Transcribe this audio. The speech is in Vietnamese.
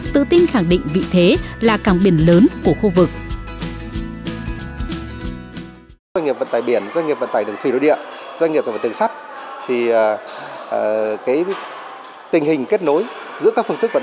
tự tin khẳng định vị thế là càng biển lớn của khu vực